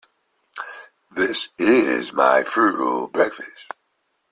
This is my frugal breakfast.